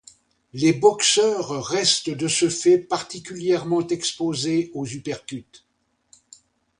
Les boxeurs restent de ce fait particulièrement exposés aux uppercuts.